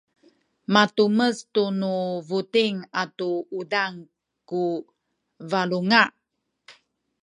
matumes tu nu buting atu uzang ku balunga